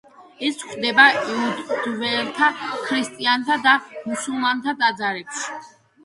ის გვხვდება იუდეველთა, ქრისტიანთა და მუსულმანთა ტრადიციებში.